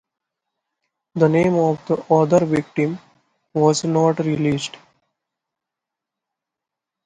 The name of the other victim was not released.